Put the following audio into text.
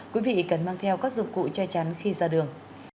quý vị cần mang theo các dụng cụ che chắn khi ra đường